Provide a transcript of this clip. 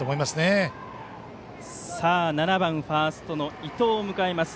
打席には７番ファーストの伊藤を迎えます。